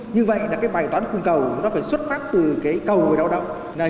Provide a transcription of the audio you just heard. như vậy là cái bài toán cung cầu nó phải xuất phát từ cái cầu người lao động